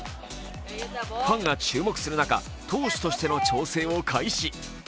ファンが注目する中、投手としての調整を開始。